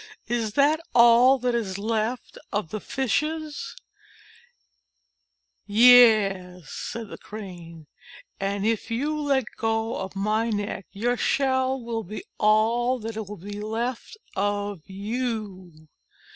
Is that all that is left of the Fishes ?" "Yes," said the Crane, "and if you will let go of my neck, your shell will be all that will be left of you."